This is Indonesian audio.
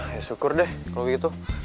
ya syukur deh kalo begitu